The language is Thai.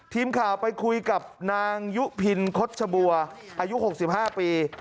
ทีมข่าวไปคุยกับนางยุพินคดชบัวอายุ๖๕ปี